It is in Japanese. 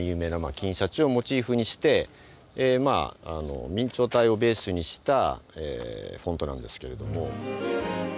金シャチをモチーフにしてえまああの明朝体をベースにしたえフォントなんですけれども。